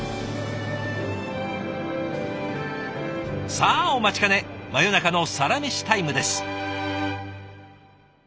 さあお待ちかね真夜中のサラメシタイムです。